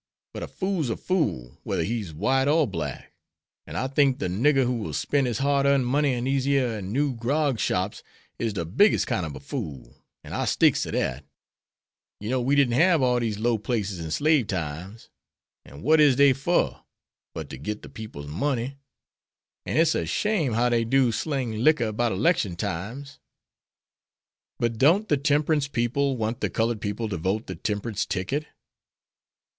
But a fool's a fool, wether he's white or black. An' I think de nigger who will spen' his hard earned money in dese yere new grog shops is de biggest kine ob a fool, an' I sticks ter dat. You know we didn't hab all dese low places in slave times. An' what is dey fer, but to get the people's money. An' its a shame how dey do sling de licker 'bout 'lection times." "But don't the temperance people want the colored people to vote the temperance ticket?"